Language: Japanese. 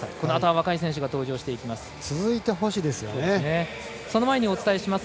若い選手が登場します。